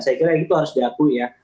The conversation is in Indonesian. saya kira itu harus diakui ya